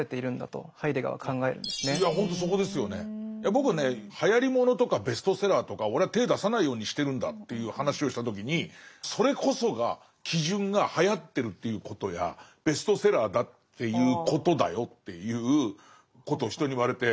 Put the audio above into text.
僕ね「はやり物とかベストセラーとか俺は手出さないようにしてるんだ」という話をした時に「それこそが基準がはやってるということやベストセラーだっていうことだよ」っていうことを人に言われて。